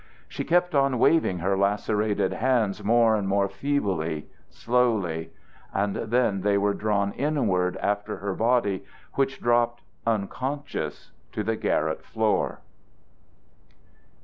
She kept on waving her lacerated hands more and more feebly, slowly; and then they were drawn inward after her body which dropped unconscious to the garret floor.